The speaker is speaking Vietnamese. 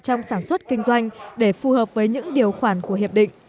trong sản xuất kinh doanh để phù hợp với những điều khoản của hiệp định